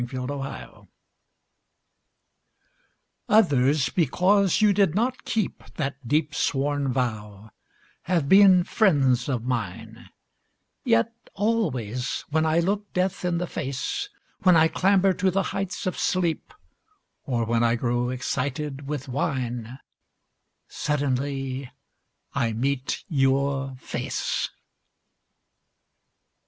A DEEP SWORN VOW Others because you did not keep That deep sworn vow have been friends of mine; Yet always when I look death in the face, When I clamber to the heights of sleep, Or when I grow excited with wine, Suddenly I meet your face.